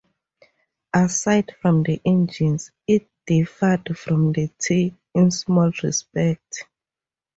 Aside from the engines, it differed from the T in small respects.